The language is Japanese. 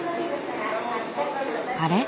あれ？